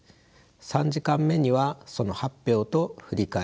３時間目にはその発表と振り返り。